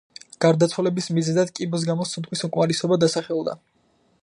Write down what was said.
გარდაცვალების მიზეზად კიბოს გამო სუნთქვის უკმარისობა დასახელდა.